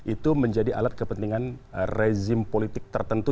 itu menjadi alat kepentingan rezim politik tertentu